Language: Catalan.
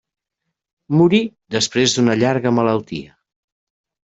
Morí, després d'una llarga malaltia.